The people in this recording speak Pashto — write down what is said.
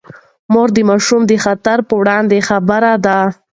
مور د ماشوم د خطر پر وړاندې خبرده ده.